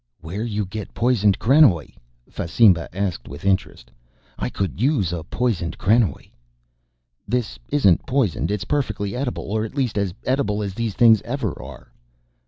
"Where you get poisoned krenoj?" Fasimba asked with interest. "I could use a poisoned krenoj." "This isn't poisoned, it's perfectly edible, or at least as edible as these things ever are."